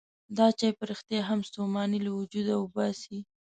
دا چای په رښتیا هم ستوماني له وجوده وباسي.